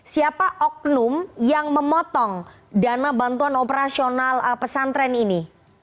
siapa oknum yang memotong dana bantuan operasional pesantren ini